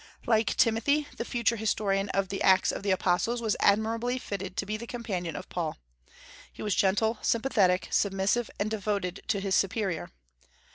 Like Timothy, the future historian of the Acts of the Apostles was admirably fitted to be the companion of Paul. He was gentle, sympathetic, submissive, and devoted to his superior.